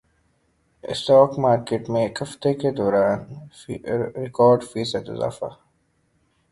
stock market میں ایک ہفتے کے دوران ریکارڈ فیصد اضافہ